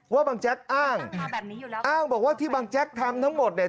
ว่าบางแจ็คอ้างอ้างบอกว่าที่บางแจ็คทำทั้งหมดเนี่ย